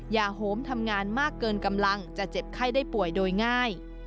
โหมทำงานมากเกินกำลังจะเจ็บไข้ได้ป่วยโดยง่าย